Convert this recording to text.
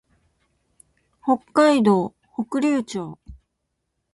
北海道北竜町